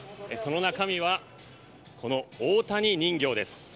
その中身はこの大谷人形です。